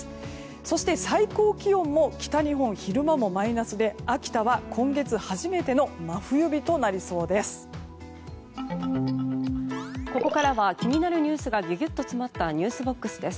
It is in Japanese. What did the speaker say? そして、最高気温も北日本昼間もマイナスで秋田は今月初めての真冬日となりそうです。